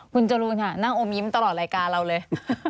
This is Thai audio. คุณจรูนค่ะนั่งอมยิ้มตลอดรายการเราเลย